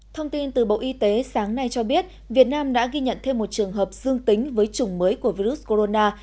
thông tin từ bộ y tế sáng nay cho biết việt nam đã ghi nhận thêm một trường hợp dương tính với chủng mới của virus corona